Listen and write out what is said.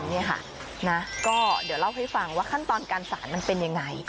นี่ค่ะนะก็เดี๋ยวเล่าให้ฟังว่าขั้นตอนการสารมันเป็นยังไง